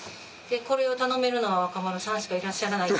これを頼めるのは若丸さんしかいらっしゃらない。